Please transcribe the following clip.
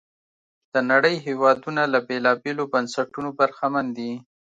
د نړۍ هېوادونه له بېلابېلو بنسټونو برخمن دي.